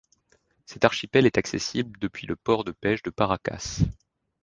Cet archipel est accessible depuis le port de pêche de Paracas.